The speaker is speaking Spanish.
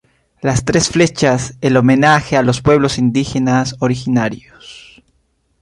Las tres flechas, el homenaje a los pueblos indígenas originarios.